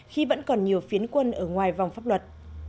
khi vẫn còn nhiều phiến quân ở ngoài vòng pháp luật